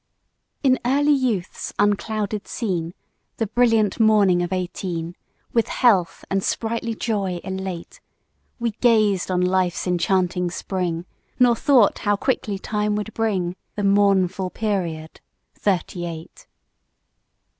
IN early youth's unclouded scene, The brilliant morning of eighteen, With health and sprightly joy elate We gazed on life's enchanting spring , Nor thought how quickly time would bring The mournful period Thirty eight.